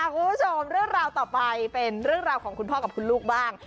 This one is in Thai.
คุณผู้ชมเรื่องราวต่อไปเป็นเรื่องราวของคุณพ่อกับคุณลูกบ้าง